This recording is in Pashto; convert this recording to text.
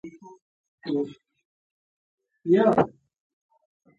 ژوند تللې شېبې هم بېرته نه راګرځي.